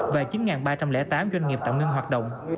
và chín ba trăm linh tám doanh nghiệp tạm ngưng hoạt động